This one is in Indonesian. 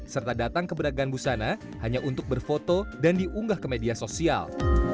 serta datang ke beragam busana hanya untuk berfoto dan diunggah ke media sosial